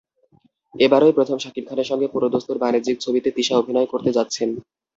এবারই প্রথম শাকিব খানের সঙ্গে পুরোদস্তুর বাণিজ্যিক ছবিতে তিশা অভিনয় করতে যাচ্ছেন।